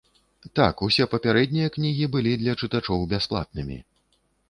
Так, усе папярэднія кнігі былі для чытачоў бясплатнымі.